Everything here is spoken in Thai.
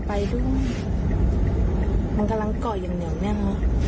ไปดูคลิปกันก่อนค่ะครับ